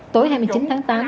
tối hai mươi chín tháng tám